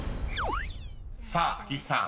［さあ岸さん